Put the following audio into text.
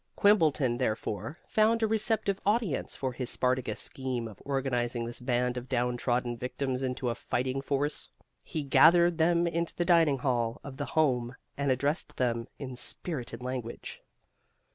Quimbleton, therefore, found a receptive audience for his Spartacus scheme of organizing this band of downtrodden victims into a fighting force. He gathered them into the dining hall of the Home and addressed them in spirited language.